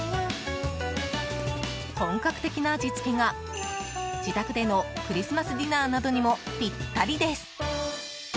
本格的な味付けが、自宅でのクリスマスディナーなどにもピッタリです。